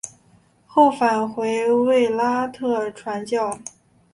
后返回卫拉特传教。